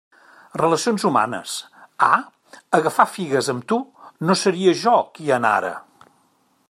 Relacions humanes A agafar figues amb tu, no seria jo qui anara.